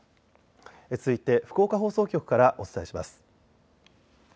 続いて、福岡放送局からお伝えします。